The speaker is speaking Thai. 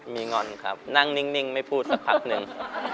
มีงอนครับนั่งนิ่งไม่พูดสักพักหนึ่ง